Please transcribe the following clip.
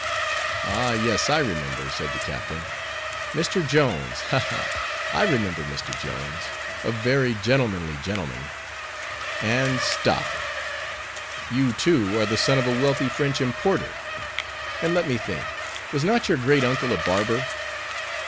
"Ah, yes, I remember," said the captain. "Mr. Jones! Ha! ha! I remember Mr. Jones: a very gentlemanly gentleman; and stop—you, too, are the son of a wealthy French importer; and—let me think—was not your great uncle a barber?"